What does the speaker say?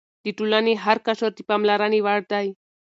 د ټولنې هر قشر د پاملرنې وړ دی.